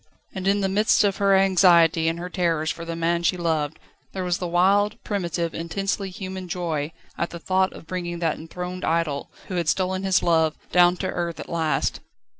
And in the midst of her anxiety and her terrors for the man she loved, there was the wild, primitive, intensely human joy at the thought of bringing that enthroned idol, who had stolen his love, down to earth at last.